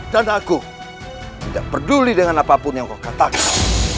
dan aku tidak peduli dengan apapun yang kau katakan